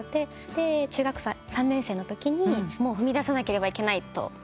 で中学３年生のときに踏み出さなければいけないと思いまして。